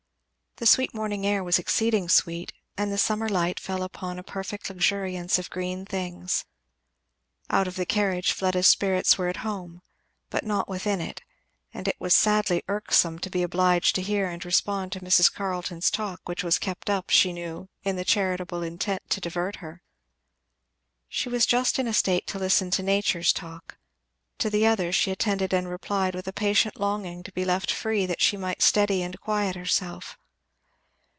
The sweet morning air was exceeding sweet, and the summer light fell upon a perfect luxuriance of green things. Out of the carriage Fleda's spirits were at home, but not within it; and it was sadly irksome to be obliged to hear and respond to Mrs. Carleton's talk, which was kept up, she knew, in the charitable intent to divert her. She was just in a state to listen to nature's talk; to the other she attended and replied with a patient longing to be left free that she might steady and quiet herself.